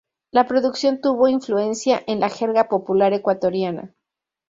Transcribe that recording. La producción tuvo influencia en la jerga popular ecuatoriana.